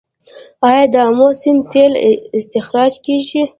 آیا د امو سیند تیل استخراج کیږي؟